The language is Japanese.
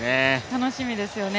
楽しみですよね